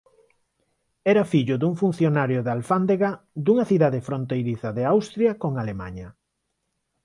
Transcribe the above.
Era fillo dun funcionario de alfándega dunha cidade fronteiriza de Austria con Alemaña.